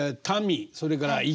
それから「粋」。